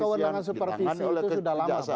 kan keundangan supervisi itu sudah lama